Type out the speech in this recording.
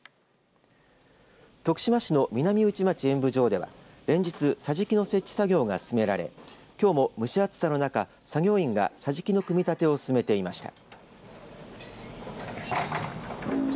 徳島市の南内町演舞場では連日、桟敷の設置作業が進められ、きょうも蒸し暑さの中、作業員が桟敷の組み立てを進めていました。